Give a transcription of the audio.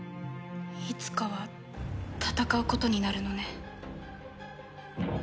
いつかは戦うことになるのね。